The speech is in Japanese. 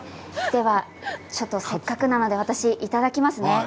せっかくなので私いただきますね。